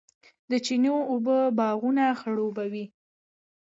د چینو اوبه باغونه خړوبوي.